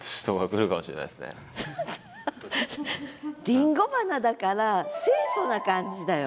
りんご花だから清楚な感じだよ。